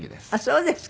そうですか。